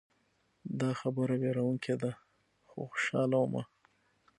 دا خبره ویروونکې ده خو خوشحاله ومه.